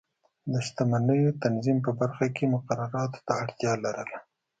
د شتمنیو د تنظیم په برخه کې مقرراتو ته اړتیا لرله.